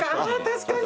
確かに。